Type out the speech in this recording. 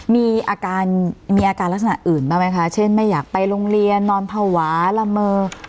มีอาการมีอาการลักษณะอื่นบ้างไหมคะเช่นไม่อยากไปโรงเรียนนอนภาวะละเมอ